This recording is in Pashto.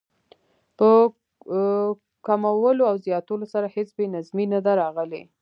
په کمولو او زیاتولو سره هېڅ بې نظمي نه ده راغلې.